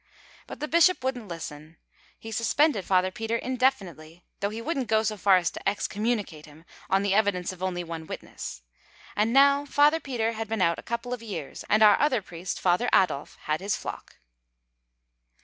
But the bishop wouldn’t listen. He suspended Father Peter indefinitely, though he wouldn’t go so far as to excommunicate him on the evidence of only one witness; and now Father Peter had been out a couple of years, and our other priest, Father Adolf, had his flock.